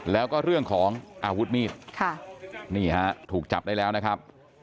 แล้วก็เรื่องของอาวุธมีดค่ะนี่ฮะถูกจับได้แล้วนะครับ